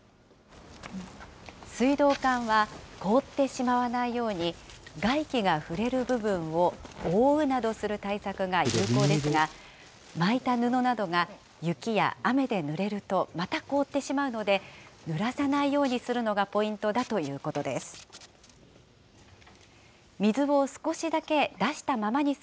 水道管は凍ってしまわないように、外気が触れる部分を覆うなどする対策が有効ですが、巻いた布などが雪や雨でぬれるとまた凍ってしまうので、ぬらさないようにするのがポイントだということです。